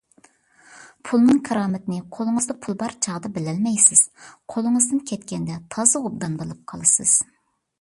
پۇلنىڭ كارامىتىنى قولىڭىزدا پۇل بار چاغدا بىلەلمەيسىز، قولىڭىزدىن كەتكەندە تازا ئوبدان بىلىپ قالىسىز.